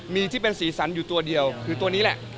มีที่เป็นสีสันอยู่ตัวเดียวคือตัวนี้แหละ